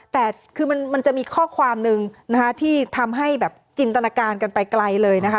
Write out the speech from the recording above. แต่คือมันจะมีข้อความหนึ่งนะคะที่ทำให้แบบจินตนาการกันไปไกลเลยนะคะ